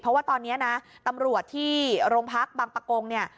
เพราะว่าตอนนี้นะตำรวจที่โรงพักบางประกงเนี่ย